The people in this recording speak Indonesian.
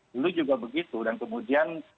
dulu juga begitu dan kemudian